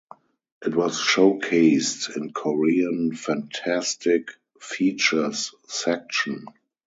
It was showcased in Korean Fantastic features section.